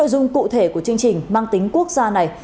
dùng cụ thể của chương trình mang tính quốc gia này